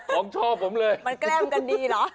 โอ้โหของชอบ